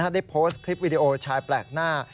ได้โพสต์คลิปวิดีโอชายแปลกหน้า